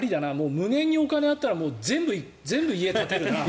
無限にお金があったら全部、家を建てるな。